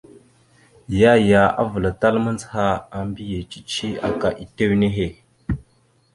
Yaya avəlatal mandzəha a mbiyez cici aka itew nehe.